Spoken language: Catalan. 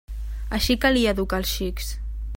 Així calia educar els xics.